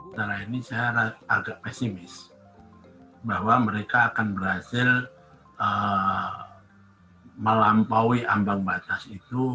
setelah ini saya agak pesimis bahwa mereka akan berhasil melampaui ambang batas itu